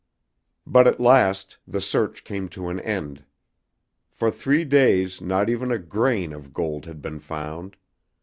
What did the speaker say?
But at last the search came to an end. For three days not even a grain of gold had been found.